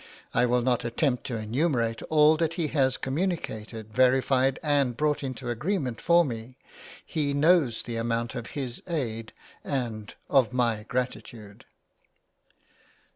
I will not attempt to enumerate all that he has communicated, verified, and brought into agreement for me: he knows the amount of his aid and of my gratitude.